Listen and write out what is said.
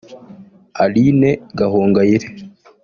Aline Gahongayire